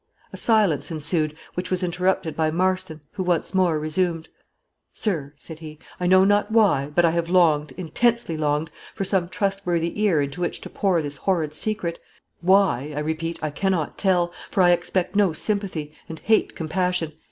A silence ensued, which was interrupted by Marston, who once more resumed. "Sir," said he, "I know not why, but I have longed, intensely longed, for some trustworthy ear into which to pour this horrid secret; why I repeat, I cannot tell, for I expect no sympathy, and hate compassion.